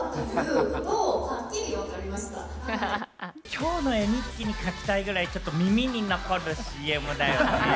きょうの絵日記に描きたいぐらい耳に残るＣＭだよね。